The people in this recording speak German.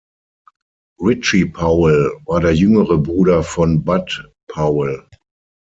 Richie Powell war der jüngere Bruder von Bud Powell.